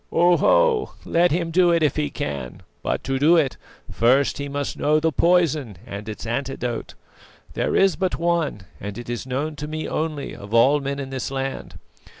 "Oho, let him do it, if he can; but to do it, first he must know the poison and its antidote. There is but one, and it is known to me only of all men in this land.